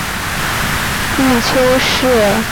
母丘氏。